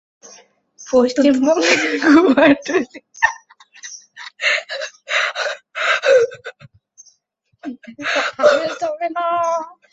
পশ্চিমবঙ্গের কুমারটুলি ও মুর্শিদাবাদ ছিল যথাক্রমে ঔষধ তৈরি, নাড়ি দেখা ও রোগনির্ণয়ের জন্য বিখ্যাত।